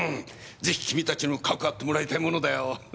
是非君たちにもかくあってもらいたいものだよ。